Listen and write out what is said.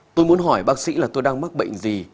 tôi muốn hỏi bác sĩ là tôi đang mắc bệnh gì